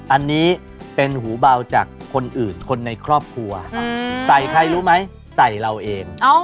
อันนี้เป็นหูเบาจากคนอื่นคนในครอบครัวใส่ใครรู้ไหมใส่เราเอง